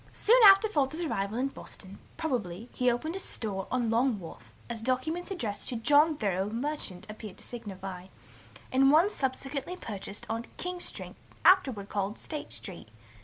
"Soon after Father's arrival in Boston, probably, he open'd a store on Long Wharf, as documents addressed to 'John Thoreau, merchant,' appear to signify, and one subsequently purchased 'on King Street, afterward called State Street.'